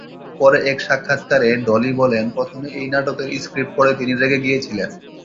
পরে এক সাক্ষাৎকারে ডলি বলেন প্রথমে এই নাটকের স্ক্রিপ্ট পড়ে তিনি রেগে গিয়েছিলেন।